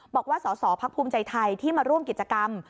บอกว่าสอสอพักภูมิใจไทยที่มาร่วมกิจกรรม